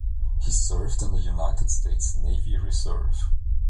He served in the United States Navy Reserve.